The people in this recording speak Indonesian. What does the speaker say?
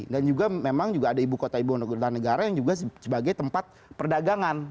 dan juga memang ada ibu kota ibu kota negara yang juga sebagai tempat perdagangan